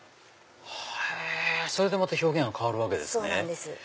それでまた表現が変わるわけですね。